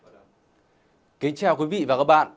xin kính chào quý vị và các bạn